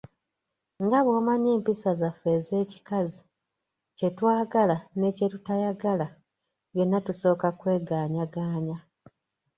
Nga bw'omanyi empisa zaffe ez'ekikazi kye twagala ne kye tutayagala byonna tusooka kwegaanyagaanya.